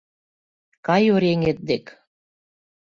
Кай оръеҥет дек!